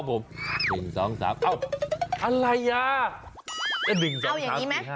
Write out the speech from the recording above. บอกอะไรกัน